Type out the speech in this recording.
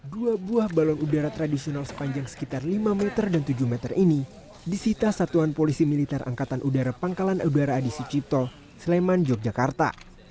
dua buah balon udara tradisional sepanjang sekitar lima meter dan tujuh meter ini disita satuan polisi militer angkatan udara pangkalan udara adi sucipto sleman yogyakarta